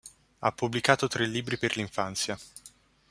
Ha pubblicato tre libri per l'infanzia.